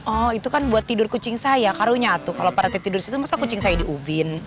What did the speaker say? oh itu kan buat tidur kucing saya karunya tuh kalo pak rt tidur situ maksudnya kucing saya di ubin